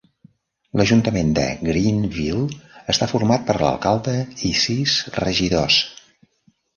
L'ajuntament de Greenville està format per l'alcalde i sis regidors.